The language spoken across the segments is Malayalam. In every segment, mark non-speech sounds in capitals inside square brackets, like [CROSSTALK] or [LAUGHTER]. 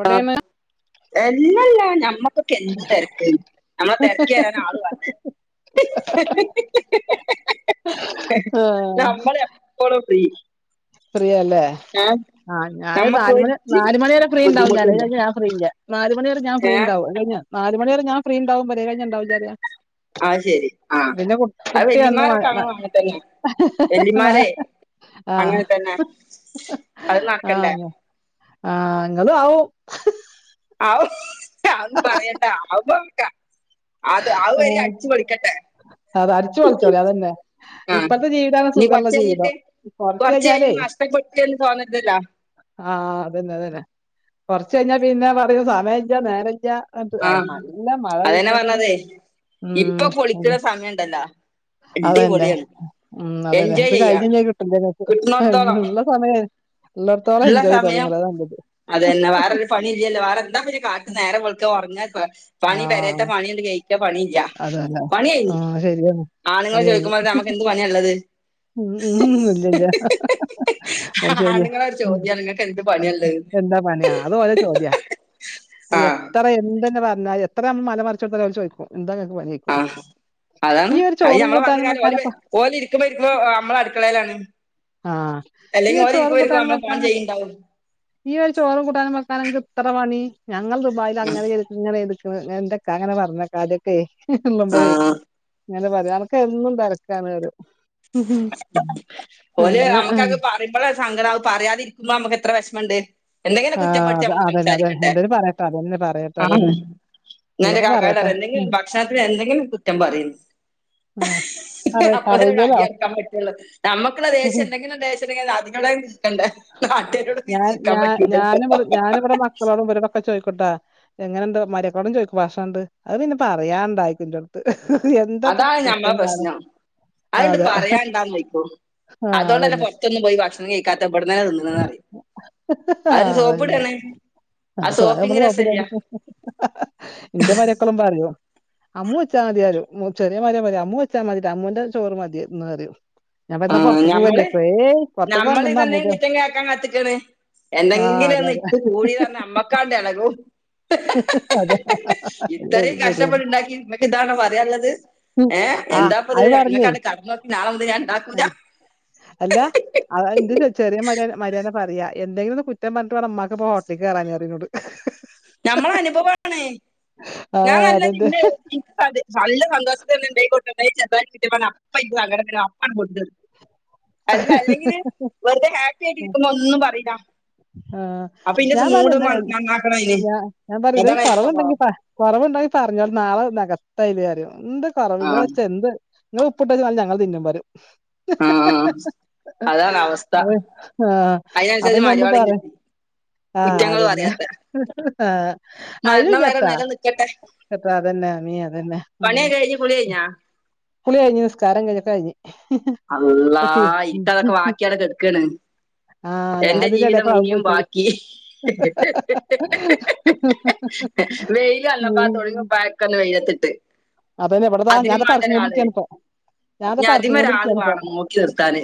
ഓടേണ് എല്ലല്ലാ ഞമ്മക്കൊക്കെ എന്ത് തിരക്ക് നമ്മളെ തിരക്കി തരാൻ ആള് വണ്ടേ നമ്മൾ എപ്പോഴും ഫീ ഫ്രീയല്ലേ ആ ഞാാന് നമ്മക്കൊരു നാലുമണി വരെ ഫ്രീ ഉണ്ടാവും ബുദ്ധിമുട്ടില്ല അതുകഴിഞ്ഞാൽ ഞാൻ ഫ്രീ അല്ല നാലുമണിവരെ ഞാ ഏ ഫ്രീണ്ടും കഴി നാലല് മണിവരെ ഞാ ഫ്രീണ്ടാവും പറയാ കഴിഞ്ഞുണ്ടാവ വില്ല ആ ശെരി ആഹ അ കുട്ടി അന്ന് വെല്ലിമാരൊക്കെ മ- മ- അങ്ങനെ തന്നെ വല്ലിമാരെ ആ അങ്ങനെ തന്നെ അത് നടക്കണ്ടേ ആഹ ആ നിങ്ങളും ആവും [UNINTELLIGIBLE] പറയണ്ട [UNINTELLIGIBLE] അത് ആവരി ഉം. അടിച്ചുപൊളിക്കട്ടെ- അത് അരിച്ചു കൊളിച്ചോളി അതന്നെ- ആ ഇപ്പത്തെ ജീവിതണ് ഇനി സുഖോളള കൊറച്ച് ജീവിതം കഴിഞ്ഞിട്ട് കൊറച്ച് കഴിഞ്ഞാലേ- കഴിയും നഷ്ടപ്പെട്ടു എന്ന് തോന്നരുതല്ലോ ആഹ് അത് ന്നെ അത് ന്നെ കൊറച്ച കഴിഞ്ഞാ പിന്നെ പറയൂ സമയം ഇല്ല നേരല്ലൃ- അത് അ ആഹ് നല്ല മഴ പെയ് അതന്നെ നോക്കിയേ- പറഞ്ഞതേ ഇപ്പൊ പൊളിക്ക്ണ സമയംണ്ടല്ലോ- അതന്നെ ഉം അതന്നെ എൻജോയ് ഇത് ചെയ്യാ കഴിഞ്ഞ്കഴിഞ്ഞാ കിട്ടുന്നോടത്തോളം കിട്ടില്ലേന്നുള്ള സമയ- ഉള്ളടത്തോളം എൻജോയ് ചെയ്തോ നിങ്ങൾ രണ്ടുപേരും- അത തന്നെ വേറെരു പണില്ല വേറെന്താ പിന്നെകാട്ട് നേരം വെള്ക്ക ഒറങ്ങ- പണി പെരയത്തെ ആഹ് പണിയല്ല് കയിഞ്ഞ്- നോക്കിയപണിയില്ല അതന്നെ പണികയിഞ്ഞ് ആഹ് ശരിയാണ് ആണുങ്ങള് അത് കഴിഞ്ഞ് ചോദിക്കുമ്പോ നമുക്ക് എന്ത് പണിയള്ളത്? ഉം ഉം ഇല്ലില്ല ശരിയാ- ആണുങ്ങളെ ഒരു ചോദ്യാണ് നിങ്ങൾക്ക് എന്ത് പണിയാള്ളത് എന്താ പണിയാ അത്ഒരേ ചോദ്യാ ആഹ് എത്ര എന്ത്- എന്തുതന്നെപറഞ്ഞാലും എത്ര മല മറിച്ചൂന്ന് അവര് ചോദിക്കും എന്തായാലും- ആഹ് അതാണ് അയ് ചോറും ഞമ്മളെ കൂട്ടാനും പറഞ്ഞലാര്യം ഓല് വെക്കാനപ്പ ഓല് ഇരിക്കുമ്പ ഇരിക്കമ്പം ആ- നമ്മള അട്ക്കളയിലാണ്- ആഹ് ഈ ഒരു ചോറും കൂട്ടനും നമ്മള് ഫോൺ വക്കനാണ്- ചെയ്യ്ണ്ടാവും ഈ ഒരു ചോറും കൂട്ടാനും വെക്കാനെന്ത് ഇത്ര പണി- ഞങ്ങൾ ദുബായിൽ അങ്ങനെ എടുക്ക് ഇങനെ എടുക്ക് എന്തൊക്കാ അങ്ങനെ പറഞ്ഞ കാര്യൊക്കെ- ഉള്ളുമ്പഴേ ആഹ് ഇങ്ങനെ പറ അനൊക്കെ എന്നും തെരക്കാനരു ഓല് ആഹ് നമുക്കത് പറയുമ്പോള സങ്കട അ പറയാതിരിക്കുമ്പോ നമുക്ക് എത്ര വെ വെഷമ്ണ്ട് എന്തെങ്കിലും ആഹ് കുറ്റപ്പെടുത്തി അത് നമ്മ അതന്നെ അതന്നെ സംസാരിക്കണ്ടേ- എന്തേലും പറയട്ടെ അതന്നെ പറയട്ടെ അതന്നെ ഞാനെന്റെ ഉള്ളപ്പോ കാക്കൻ്റട് പറയട്ടെ പറയും ഉം എന്തെങ്കിലും ഭക്ഷണത്തിന് എന്തെങ്കിലും കുറ്റം പറയുന്നു- ആ പറയും പറയുന്നേന്- കേകാൻപറ്റുള്ളൂ നമുക്കുള്ള ദേശം എന്തെങ്കിലും ദേശം അത്ങ്ങളെ തീക്കണ്ട നാട്ടോരോട്- ഞാൻ ഞാനും ഞാന് വിടെ മക്കളോടും ഇരടൊക്കെ ചോദിക്കും- ട്ടാ എങ്ങനെണ്ട് മരക്കോടം ചോദിക്ക ഭാഷുണ്ട് അത് പിന്നെ പറയാണ്ടായി എൻ്റോടുത്ത്- എന്താപ്പ അതാണ് ഞമ്മളെ കുറ്റം കാണാ- പ്രശ്നം അത്ണ്ട് പറയാ ഇണ്ടാന്ന് നോയ്ക്കോളു- ആഹ് അതുകൊണ്ട തന്നെ അതന്നെ പൊറത്തൊന്നും പോയി ഭക്ഷണം കഴിക്കാത്ത ഇവിടന്ന്ന്നെ തിന്നണന്ന് പറ് യും- അത് ആഹ് അതന്നെ സോപ്പിട്ണെ- [UNINTELLIGIBLE] [UNINTELLIGIBLE] അമ്മു വച്ചാ മതിയാര് ചെറിയ മോനാര് പറയും അമ്മൂ വെച്ചാ മതി അമ്മൂന്റെ ചോറ് മതിന്ന്റയും- ഞാൻ ആ പറയംന്ന പൊറത്തേക് പൊവല്ലേ ഞമ്മള് ഏയ് പുറത്തേക്കണ്ടന്ന ഞമ്മളിതന്നെ അമ്മ- കുറ്റം കേക്കാൻ കത്ത്ക്കാണ് എന്തെങ്കിലും ഒന്ന് ഇട്ട് പൂടീന്പറഞഅമ്മക്കാട്ന്റെ ഇളകും അതെ ശരി ഇത്രയും ശരിയാണ്. കഷ്ടപ്പെടുണ്ടാക്കി നിനക്ക് ഇതാണോ പറയാനുള്ളത്- ഏ ആഹ് എന്താപ്പ ഇത് അത് പറഞ്ഞേ അങ്ങക്കാർക്കും [UNINTELLIGIBLE] ഞാൻണ്ടാക്ക അല്ല ചെറിയ [UNINTELLIGIBLE] പറയാ എന്തെങ്കിലും ഒന്ന്കുറ്റം പറഞ്ഞട്ട് വേ അമ്ക്ക്പ്പോ ഹോട്ടലേ കയറാൻ അറിയുന്നോട്- നമ്മള അനുഭവാണ് ഞാൻ ആഹ് നല്ല അതന്നെ [UNINTELLIGIBLE] നല്ല സന്തോഷ ഉണ്ട കൊണ്ട ച കിട്ടിയ അപ്പ ഇപ്പ സങ്കടത്തി അപ്പാണ് കൊണ്ടുരുന്നത്- അല്ല അല്ലെങ്കില് വെറുതെ ഹാപ്പി ആയിട്ട് ഇരിക്കുമ്പോ ഒന്നും പറയില്ല- ആഹ് അപ്പൊ ഇന്റെ മൂഡ നന്നാക്കണം അന്- ആ ഞാൻ പറയും ഇതിന് കൊറവുണ്ടെങ്കി കൊറവൊണ്ടെങ്കി പറഞ്ഞോ നാളെ നികത്തായില്ല കാര്യം- എന്ത കുറവ് ആ നിങ്ങളെച്ച എന്ത് നിങ്ങള് ഉപ്പിട്ടച്ച ഞങ്ങള്തിന്നും വരും ആ അതാണ് അവസ്ഥ [INAUDIBLE] അപ്പൊ അതിനനുസരിച്ച് പിന്നെ ഒന്നും മരുയാളം പറ കിട്ടി....... ആഹ് കുറ്റങ്ങൾ അതന്നെ പറയാത്ത ആഹ്- മരണം വരെ നേരം നിലനിക്കട്ടെ. അപ്പ അതന്നെ അമീ അതന്നെ ഉം- പണിയൊക്കെ കഴിഞ്ഞ് കുളി കഴിഞ്ഞാ കുളി കഴിഞ്ഞ് നിസ്കാരം കഴി അല്ലാ ഇട്ട് അതൊക്കെ ബാക്കിയടക്കെ എടുക്കാണ്..... ആഹ് ഞാൻ എന്റെ ഇതിന്റെ ജീവിതം എടേക്കൂടെ അതും ഇനിയും പോയി ചെയ്ത്. ബാക്കി. വെയില അല്ലപ്പാ ഉം തുടങ്ങപ്പഴക്കന്ന് വെയിലത്തിട്ട്. അതന്നെ അതിനും വേണ്ട എവിടപാർങ്ങ ഒരാള് കൊണ്ടരിക്കയാണ്പ്പോ ഞാനത് പാർക്കി കൊണ്ടിരി ണം നോക്കി നിർത്താാന്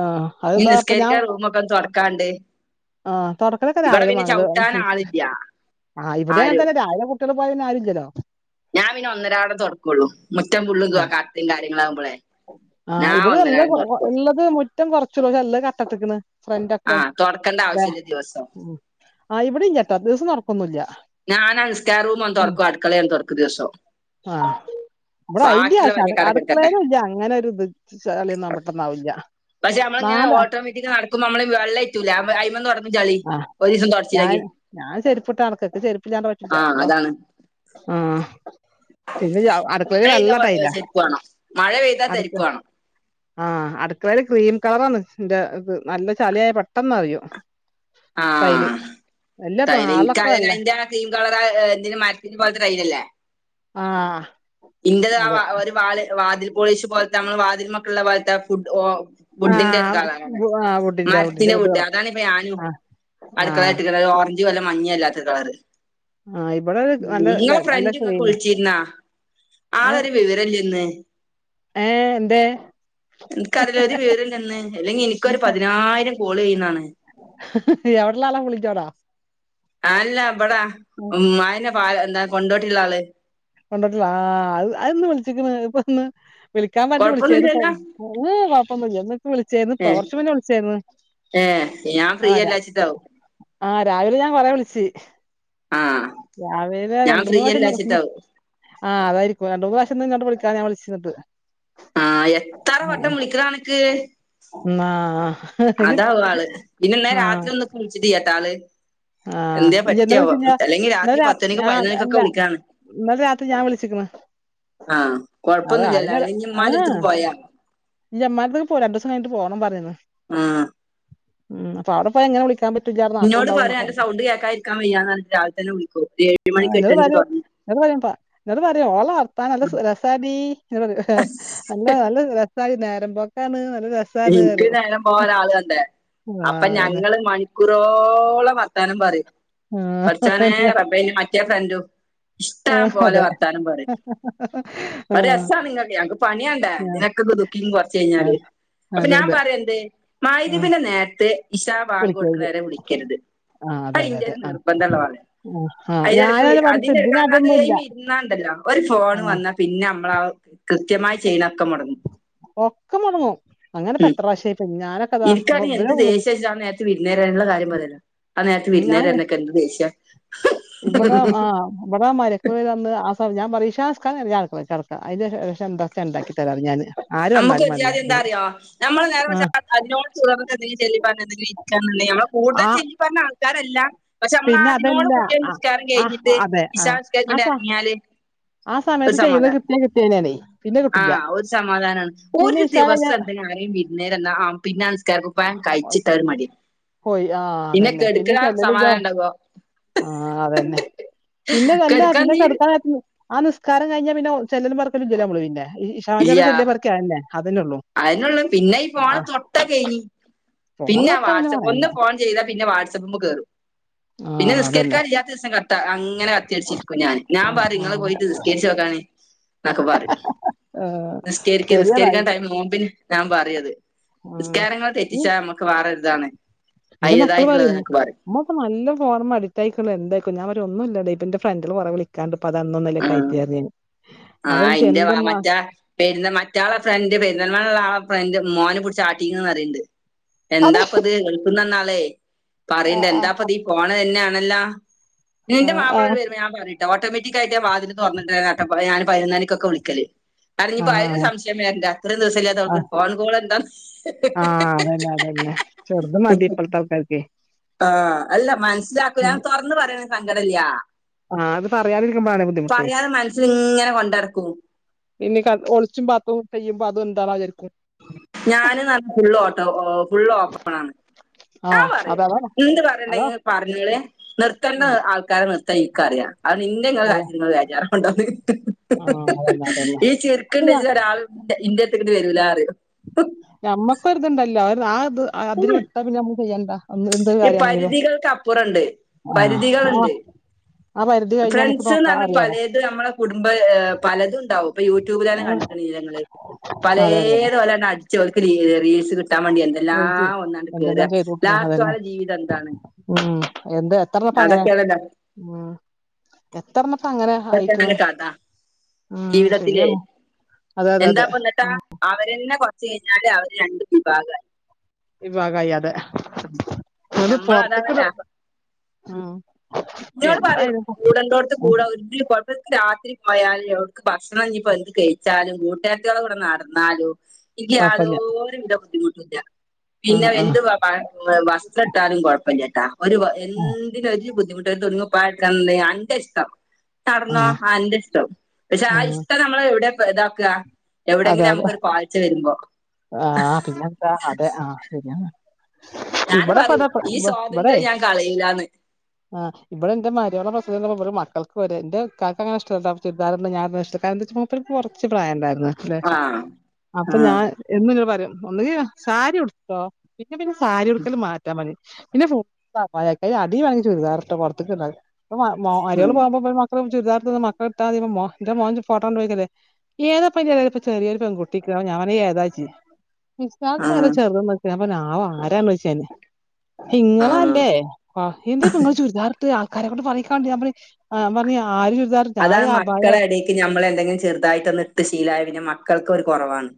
ആഹ് ന അത്താ നിസ്കരിക്കാ റൂമൊക്കെ ഒ തുടക്കാണ്ട് ആഹ തുടക്കൊക്കെ രാവിലെ മകള് ആളില്ല ആ് ഇവിടെ ആരും അങ്ങനത്തൊക്കെ രാവിലെ കുട്ടി ആല്ലോ. ഞാൻ പിന്നെ ഒന്നരാടം തൊടക്കുള്ളൂ മുറ്റം പുള്ള ഞാ കട്ടേമം കാര്യങ്ങളാകുമ്പോളേ. ആഹ് ഇവിടെ നല്ല നല്ലത് മുറ്റം കുറച്ചല്ലൂ നല്ല കട്ടട്ടക്കണ്. ഫ്രണ്ട്ക്കെ ആഹ് തൊടക്കണ്ട ആവശ്യല്ല ദിവസം ആ ഇവിടെയും ചേട്ടാ ദിവസം തൊടക്കൊന്നുംല്ല. ഞാൻ അനസ്കാരൂൻ തുറക്കും അടുക്കള ൻ തുറക്ക ദിവസം. ഇവിടെ അയിന്റെയാ ബാക്കിയുള്ള പണിയൊക്കെ ആവശ്യം എടുക്കട്ടെ അടുക്കളേും ഇല്ല അങ്ങനെ ഒരു ചളിയൊന്നും പെട്ടന്നാവില്ല. പക്ഷെ നമ്മളിങ്ങനെ ഓട്ടോമാറ്റി നടക്കുമ്പോ നമ്മള് വെള്ളംയറ്റൂല അയ്മന്ന് [UNINTELLIGIBLE] റഞ്ഞു ചളി. ആഹ് ഒരീസം ഞാൻ തൊടച്ചില്ലെങ്കി ഞാൻ ചെരിപ്പിട്ട നടക്കൊക്കെ ചെരിപ്പ് ഞാൻ പറ്റില്ലല്ലോ ആഹ് അല്ലാ. അതാണ് ആഹ. പിന്നെ അടുക്കള മഴ പെയ്താ വെള്ളഡെയിലാ ചെരുപ്പ് വേണം മഴ പെയ്താ തെരുപ്പ് വേണം ആഹ അടുക്കളയില് ക്രീം കളറാണ് എന്റെ നല്ല ചലിയായ പെട്ടെന്ന് അറിയും. കൈല്. അ എനക്ക് അ അതിന്റെകളർ എന്തിന മരത്തിന് പോലത്തെ ടൈനല്ലേ? ആഹ. ഇന്റെത ഒരു വാ വാതിൽ പോളീച്ച പോലത്തെ നമ്മള് വാതിൽ മക്കളുള്ള പോലത്തെ ഫുഡ് ഓ വുഡിന്റെ ഒരു ആഹ് കാലാണ് ആഹ് വുഡിന്റെ വുഡിന്റെ മരത്തിന്റെ വുഡ് കളർ അതാണിപ്പ ഞാനു ആഹ് ആഹ് അടുക്കളായിട്ട ഓറഞ്ച് വല്ല മഞ്ഞ അല്ലാത്ത കളറ്. ആഹ് ഇവിടെ നല്ല നിങ്ങളെ നല്ല ഫ്രണ്ട് ഇങ്ങക്ക് ക്രീമാ വിളിച്ചിരുന്നാ? ആളൊരു വിവരല്ലന്ന്. ഏ എന്തേ? എനക്ക്റില്ല ഒരു വിവരല്ലന്ന്. അല്ലെങ്കി എനിക്കരു പതിനായിരം കോള് ചെയ്യുന്നതാണ്. എവിടെല്ലാളാ പുളിയച്ചോടാ. ആല്ല അവിടാ ഉ ആയി പ എന്താ കൊണ്ടോട്ടിള്ള ആള്. കൊണ്ടിട്ടില്ല ആ അ അതൊന്ന് വിളിച്ചിക്കുണ്‌ ഇപ്പൊ ഇന്ന്. വിളിക്കാൻ പറ്റി വിളിച്ചു കൊഴപ്പൊന്നുല്ലല്ലോ പഴപ്പൊന്ന വിളിച്ചായിരുന്നു ഇപ്പൊ ഏ കൊറച്ച മുന്നേ വിളിച്ചായിന്ന് ഏ ഞാൻ ഫ്രീ ആരാ. അല്ലാച്ചിട്ടാവും ആഹ രാവിലെ ഞാൻ കൊറെ വിളിച്ചു ആഹ് രാവിലെ ഞാൻ രണ്ട ഫ്രീ മൂന്ന് വശം അല്ലാച്ചിട്ടാവും ആഹ് അതായിരിക്കും രണ്ട മൂന്ന് പ്രാവഷം ട്ട വിളിക്കാ ഞാൻ വിളിച്ചിന്നത്. ആഹ് എത്തറ വട്ടം വിളികാണാത്ത ഇന്ക്. ആ ഇനി അതാവും ആള് പിന്നെന്നാ ആ രാത്രി ഒന്ന് കുളിച്ചിട്ട് ചെയ്യാട്ട ആള്. ആ എന്താ ഇയ്യ് ഇന്നലെ പറ്റിയാവോ വിളിച്ചില്ല അല്ലെങ്കി രാത്രി പത്തണിക്കും പതിനണിക്കുംക്കെ വിളിക്കാണ്. എന്നാല രാത്രി ഞാൻ വിളിച്ചിക്ണ്. ‌ ആഹ കൊഴപ്പൊന്നില്ലല്ലോ അല്ലെങ്കി ഉമ്മാന്റെ അടുത്തക്ക് പോയാ മ്മാനത്തൊക്കെ പോ രണ്ടു ദിവസം കഴിഞ്ഞിട്ട് പോണം പറയന്ന്. ആഹ് ഉം അപ്പ അവിടെപ്പോ എങ്ങനെ വിളിക്ക നിന്നോട് പറയാൻന്റെ സൗണ്ട് കേക്കാരിക്കാൻ വയ്യാന്ന്ട്ട രാവെ തന്നെ വിളിക്കോ ഒരു ഏഴ് മണി എട്ട എനിക്ക് തുറന്ന എന്ന പറയും എന്നട്ട പറയും ഓള വർത്താൻ നല്ല രസടി പറ നല്ല നല്ല അ നേരം പോക്കാണ്. നല്ല രസാണ് എനിക്ക് പറയും നേരം പോകൻ ഒരാള് വേണ്ടേ? ആ അപ്പൊ അതന്നെ ഞങ്ങള് മണിക്കൂറോളം വർത്താനം പറയും. ആ, പടച്ചോനെ അതന്നെ. റബ്ബെ ന്റെ മറ്റേ ഫ്രണ്ടും. ആ, ഇഷ്ട്ടംപോലെ അതെ വർത്താനം പറയും ഒരു ആ രസാണ്, നിങ്ങൾക്ക് ഞങ്ങക്ക് പണിവേണ്ടേ പിന്നെ ഇതൊക്കെ, ദുഖികും കുറച്ച് ആ, കഴിഞ്ഞാല്, അപ്പോ അതെ, ഞാൻ അതെ. പറയും എന്ത്, ആ. മയ്രിബിന്റെ നേരത്തെ ഇശാഹ്, ബാങ്ക് വിളിക്കരുത്. കൊടുക്കണവരെ വിളിക്കരുത്, ആ, അതെ, അത് അതെ, ഇന്റെ അതെ. ഒരു ആ, നിർബദ്ധമുള്ള വാക്കാ. ആ, ആ. ആയിലെടക്ക് വി ഞാനത് പഠിച്ചു. അതിന്റെയ്ടക്ക് അത് ഇതിനതൊന്നുല്ല. ആയിമേ ഇരുന്ന ഇണ്ടല്ലോ ഒരു ആ. ഫോൺ വന്നാ പിന്നെ നമ്മളാ ആ കൃത്യമായി, ചെയ്യണക്കെ മുടങ്ങും. ഒക്കെ, മുടങ്ങും അങ്ങനെപ്പോ എത്രപ്രാവിശ്യം, ആയി ഇപ്പോ ഞാന ഇനിക്കചങ്കിൽ, എന്ത് ദേഷ്യച്ചിട്ട, ആ നേരത്ത് വിരിന്നേരെ ഇല്ലകാര്യം പറയാലോ, ആ നേരത്ത് വിരുന്നേരെ വരണക്കെ എന്ത് ദേഷ്യ ഇബടെ ആ ഇബടെ, മലക്ക് പോയി വന്ന്, ആ ഞൻ പറയും, ഇശാ നിസ്ക്കാരം, കഴിഞ്ഞ ഞാൻ അട്ക്കളക്ക് കടക്കാ അതിന് ശേഷം എന്തേച്ച ഇണ്ടാക്കി തരാ ഞാന് ആര് നമുക്ക്, വന്നാലും വേണ്ടില്ല ഒര്ജാതി ഞാൻ. എന്താറിയോ നമ്മള് നേരെ ആ. മറിച് അത് അതിനോട് ചേർന്ന് എന്തേലും ചെല്ലി പറഞ്ഞ എന്തെിലും ഇരിക്കാേ നമ്മളെ കൂടുതൽ ആ ചി [UNINTELLIGIBLE] നിസ്കാരല്ല, പക്ഷെ നമ്മളാ പിന്നെ അതിനോട് അതല്ല. കൂടി ആ നിസ്കാരം, ആ കഴിഞ്ഞിട്ട് അതെ. ആ. ഇശാനിസ്‌ക്കരിച്ചിട്ട് ആ അങ്ങ് സ ഇറങ്ങിയാല് ആ, ഒരു സമയത്ത് ചെയ്യുന്നത് സമാധാനം കൃത്യം [UNINTELLIGIBLE] പിന്നെ കിട്ടില്ല. സമാധാനമാണ്, ഒരു ദിവസം ഇണ്ടാക്കി ആരേലും വിരിന്നേര് വന്ന പിന്നെ ആ നിസ്‌ക്കരക്കുപ്പായം കഴിച്ചിട്ടാ ഒര് മടിയാ. പോയി. ആ പിന്നെ, അതന്നെ. കെടക്ക്ക ചെല്ലലും ഇല്ല. സമാധാനം ഇണ്ടാവോ, ആ, അതന്നെ പിന്നെ കല്ലാ കെടക്കാൻ പിന്നെ നീര് കെടക്കൻ നേര ആ, നിസ്കാരം കഴിഞ്ഞാ പിന്നെ ചെല്ലലും പറക്കാകില്ലല്ലോ, നമ്മള് പിന്നെ ഇശാബിന്റെ ചെല്ലേ പോർക്കെ അതന്നെ. അതന്നെ ഉള്ളൂ അയാനൊള്ളൂ, പിന്നെ ഈ ഫോൺ ആ തൊട്ട കഴിഞ്ഞി, ഫോണ് പിന്നെ, ആ തൊട്ടാ വാട്സ്സപ്പ് പറയണ്ട ഒന്ന് ഫോൺ ചെയ്താ പിന്നെ വാട്സ്ആപ്പ്മേ കേറും. ആ പിന്നെ, അതന്നെ നിസ്കരിക്കാനില്ലാത്തിശം കട്ട അങ്ങനെ കത്തി വെച്ച് ഇരിക്കും ഞാന് ഞൻ ആ പറയും പറയും ആ നിങ്ങൾ പോയിട്ട് നിസ്കരിച്ചോകണിം. ന്നൊക്കെ, പറയും ഏ നിസ്കരിക്കിം ശരിയാണ് നിസ്കരിക്കാൻ ടൈം മുമ്പില്, ഞാൻ പറയും അത് ഉം നിസ്കാരങ്ങൾ ഉം തെറ്റിച്ചാ നമ്മുക്ക് വേറരുതാണ്. എന്റെ, മക്കള് പറയും, ഇമ്മപോ നല്ല ഫോൺമേ അഡിറ്റ് ആയികിണ് എന്തായികിണ് ഞൻ പറയി ഒന്നുല്ലടി, ഇപ്പന്റെ ഫ്രണ്ടല്ല് കൊറേ വിളിക്കണ്ട്, ഇപ്പോ അതാ ഇന്നും ഇന്നലെയും ആയിട്ട് ഞാന്. ആ, എന്റെ വ മറ്റേ പെരുന്ന മറ്റളെ ഫ്രണ്ട് പെരുന്തൽമണ്ണ ആ, ഫ്രണ്ട് മോനെ പിടിച്ച് ആട്ടിഞ്ഞ് എന്ന് പറയിണ്ട് അതെ എന്താപ്പത് ഗൾഫിനിന്നു വന്ന അളെ, ആ പറയിണ്ട്, ആ എന്താപ്പതീ ഫോൺ തന്നെയാണല്ല, ആ എന്റെ ആ മാപ്പള വരുങ്ങാണ്ട് പറയുട്ടോ ഓട്ടോമാറ്റിക് [UNINTELLIGIBLE] വതില് തുറന്നിട്ട് [UNINTELLIGIBLE] ഞാൻ പതിനൊന്ന് മണിക്കൊക്കെ വിളികല് ആ അതിനിപ്പോ, അയിന് സംശയം വരണ്ട, അത്രയും ദിവസല്ലാത്ത അവൾക് ആ ഒരു ഫോൺ കോൾ എന്താ ആ, അതന്നെ അതന്നെ ചെറുത് മതി ഇപ്പോഴത്തെ ആൾകാർക്ക്. ആ, അല്ല മനസ്സിലാക്ക് ഞാൻ തുറന്ന് പറയണേൽ സങ്കടല്ല. ആ അത് പറയാതിരിക്കുമ്പളാണ് ബുദ്ധിമുട്ടേ പറയാതെ മനസ്സിൽ ഇങ്ങനെ കൊണ്ടടക്കും. ഇനി, ക ഒളിച്ചും പാത്തും ചെയ്യുബോ അതും എന്താവാ വിചാരിക്കും. ഞാന്, നല്ല ഫുള്ള് ഓട്ട ഫുള്ള് ഓപ്പണാണ്. ഞാൻ ആഹ് അത പറയൂ, അതാ എന്ത് അതാ പറയണ്ടെങ്കിൽ പറന്നോള്ളീം, നിർത്തണ്ടേ ഉം ആൾക്കാരെ നിർത്ത ആയിനിക്കറിയാ അത് ഇന്റെ അതെ കാര്യത്തിൽ ഇങ്ങള് വെജാറാകണ്ട എന്ന്. ഹ് ആഹ് ഹ് അതന്നെ അതന്നെ ഹ് ഈ ചിരിക്കണ്ട് ഞ ഇജ്ജ് രാവിലെ ഇന്റെ അടുത്തിക്ക് വരുല്ല പറയും നമ്മക്ക്, ഒര് ഇണ്ടല്ലോ അവര് ആ ഇത് അതിര് വിട്ട പിന്നെ നമ്മള് ചെയ്യണ്ട. എന്ത് ഈ, കാര്യമാണെങ്കിലും പരുത്തികൾക്കപ്പൂരമുണ്ട് ആഹ് ആഹ് പരുതികളുണ്ട്. ആ പരിധി കഴിഞ്ഞാ നമുക്ക് ഫ്രണ്ട്സ്ന്ന്, നോക്കാം പറഞ്ഞാൽ അറിയാലോ പലത് നമ്മളെ കുടുംബ പലത്ണ്ടാകും ഇപ്പൊ യൂട്യൂബിലരെ കണ്ടി ആഹ് നിലങ്ങള് അതെ അതെ പലത് ഓല്ലേ ആടിച്ച് ഓടി റീല്, റീൽസ് കിട്ടാൻ വേണ്ടി എന്തെല്ലാം അതെ ഒന്നാണ്ട് എന്തെല്ലാം കേറാം ചെയ്തു കൂട്ടണ് ലാസ്റ്റ് ഓല്ലേ ജീവിതം എന്താണ്. എന്താ എന്താപ്പാപ്പ അങ്ങനെ അതൊക്കെയാണല്ലോ ഉം എത്രണ്ണം അങ്ങനെ ആയിക്കിണ്. അതൊക്കെയാണ് കഥ ജീവിതത്തിലെ, അതെ അതെ എന്താ അതെ എന്നിട്ട അവരെന്നെ കോ ഇച്ചക്കഴിഞ്ഞാല് അവര് രണ്ട് വിഭാഗമായി. വിഭാഗയി അതെ എങ്ങട്ട് പൊറത്തക്ക് ഉം ഇന്നോട് പറയും കോടൊണ്ടോടാത്ത് കുട ഒരിക്കലും പോ രാത്രി, പോയാലും എവിടക്ക് ഭക്ഷണം ഇനിയിപ്പോ എന്ത് കഴിച്ചാലും കുടുക്കരാത്യള്ളേ കൂടെ നടന്നാലും. ഇഗ കൊഴപ്പല്ല യാതോരുന്ത ബുദ്ധിമുട്ടുദ്യ പിന്നെ ആഹ് എന്ത് ആഹ് വസ്ത്രം ഇട്ടാലും കുഴപ്പമിലട്ടോ ഒരു ആഹ് എന്തിന ഒരു തുണികുപ്പായം ഇണ്ടങ്കി അന്റെ ഇഷ്ടം. നടന്നോ ആഹ് ആന്റെ ഇഷ്ടം പക്ഷെ ആ ഉം ഇഷ്ടം നമ്മൾ എവിടെയ ഇതാക അതെ എവിടെയെങ്കിലും അതെ നമുക്കൊ ഒരു പാളിച്ച വരുബോ ആ പിന്നെന്ത അതെ ആ പിന്നെ ഞാന് ഇവിടെ ഇപ്പൊ അതാ പറയോ ഇപ്പൊ ഈ ഇവ- ഇവിടെ സ്വാതന്ത്ര്യം. ഞാൻ കളില്ലാന്ന്. ആ ഇവിടെ എന്റെ മാര്യളെ പ്ര ഞങ്ങളെ ഇബടെ മകൾക് വരെ ഇന്റെ ഇക്കാക്കാ കഷ്ട്ടാ ചുരിദാർ ഒകെ ഇടണേ ഞൻ ഇടണേ ഇഷ്ടല്ല കാരണംന്തേച്ചാ മൂപ്പർക്ക് കൊർച് പ്രയംണ്ടായിരുന്നു ഉം ആഹ് അപ്പൊ ആഹ് ഞാൻ ഇപ്പനോട്‌, പറിംഒന്ന്ങ്കിസാരി ഉടുത്തട്ടോ പിന്നെ പിന്നെ സാരി കൊടുക്കല് മാറ്റാൻ പിന്നെ ഫുൾ അബായ അടില് വാണ ങ്ങിചുരിതാർഇട്ടോ പുറത്തക്ക് ഇപ്പൊ, മ മരുമക്കൾ ഉം പോകുമ്പോഇമ്മിമക്കളും ചുരിദർട്ട് [UNINTELLIGIBLE] ഇാന്റെ മോൻ ഫോട്ടോകണ്ട് ച്ചോയിക്കല്ലേ ഏതപ്പോ ആയിലൊരുചെറിയ പെണ്ണ് കുട്ടി നിക്ക്ണെ ഞാ അവന് ഏതാച്ച് ആഹ് [UNINTELLIGIBLE] ആഹ് നിങ്ങളല്ലേ എന്ത്യ നിങ്ങള് ചുരിദാർട്ട് ആൾക്കാരെക്കൊണ്ട് പറയിക്കാണ്ട് ഞ അതാണ്, മക്കളെ എടക്ക് നമ്മൾ എന്തെങ്കിലും ചെറുതായിടട്ടോന്ന് ട്ട് ശീലായപിന്നെ മക്കൾക്ക് ഒരു കുറവാണ്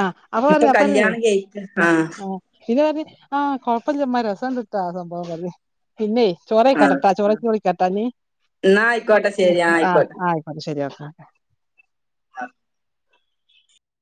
ആ അപ്പറ അപ്പറ ആഹ് ആ പിന്നെ പറഞ്ഞു ആ കൊഴപ്പല്ല മ്മാ രസംണ്ട്ട്ടോ സംഭവം പറഞ്ഞു പിന്നെ ചോറ് ആഹ് കഴിക്കട്ടെട്ടോ, ചോറ്കഴിച്ചിട്ട് വിളിക്കാട്ടോ. നീ എന്നാ ആയിക്കോട്ടെ ശരി ആഹ് ആ ആയിക്കോട്ടെ ശരിഒക്കെ. ശ ആഹ